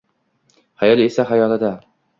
Xayol esa… xayolida